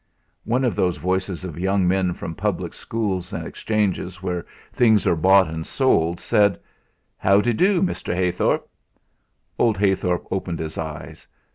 One of those voices of young men from public schools and exchanges where things are bought and sold, said: "How de do, Mr. Heythorp?" Old Heythorp opened his eyes.